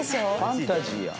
ファンタジーやん。